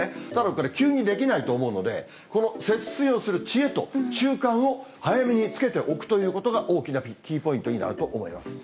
これ、急にできないと思うので、この節水をする知恵と習慣を、早めにつけておくということが、大きなキーポイントになると思います。